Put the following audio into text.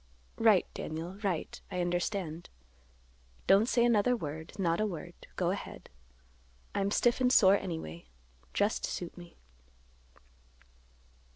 "Right, Daniel, right. I understand. Don't say another word; not a word. Go ahead. I'm stiff and sore anyway; just suit me."